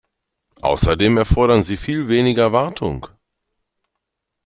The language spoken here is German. Außerdem erfordern sie viel weniger Wartung.